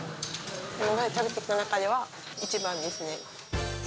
今まで食べてきた中では一番ですね。